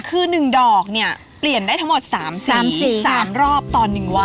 คือหนึ่งดอกนี่เปลี่ยนได้ทั้งหมด๓สี๓รอบตอน๑วัน